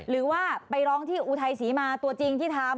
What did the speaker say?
หรือว่าไปร้องที่อุทัยศรีมาตัวจริงที่ทำ